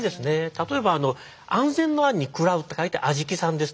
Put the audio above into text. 例えば安全の「安」に「喰らう」と書いて安喰さんですとか。